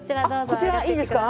こちらいいんですか？